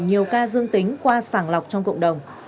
nhiều ca dương tính qua sàng lọc trong cộng đồng